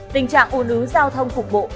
tình trạng u nứ giao thông phục vụ